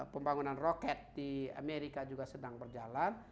pembangunan roket di amerika juga sedang berjalan